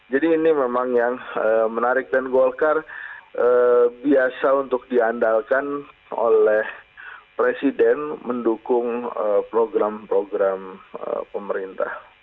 jadi ini memang yang menarik dan golkar biasa untuk diandalkan oleh presiden mendukung program program pemerintah